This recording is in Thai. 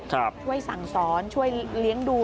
ช่วยสั่งสอนช่วยเลี้ยงดู